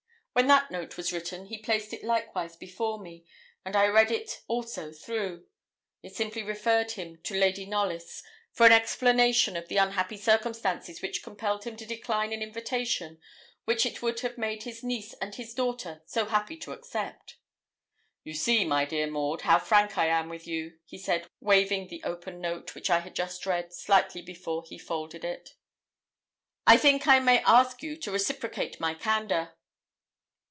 When that note was written, he placed it likewise before me, and I read it also through. It simply referred him to Lady Knollys 'for an explanation of the unhappy circumstances which compelled him to decline an invitation which it would have made his niece and his daughter so happy to accept.' 'You see, my dear Maud, how frank I am with you,' he said, waving the open note, which I had just read, slightly before he folded it. 'I think I may ask you to reciprocate my candour.'